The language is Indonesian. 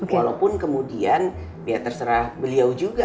walaupun kemudian ya terserah beliau juga